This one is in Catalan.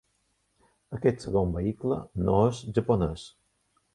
Aquest segon vehicle no és japonès.